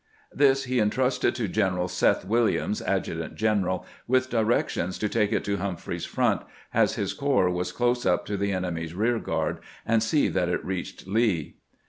This lie intrusted to Greneral Seth. Williams, adjutant general, with directions to take it to Humphreys's front, as his corps was close up to the enemy's rear guard, and see that it reached Lee.